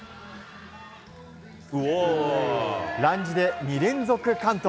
ランジで２連続完登。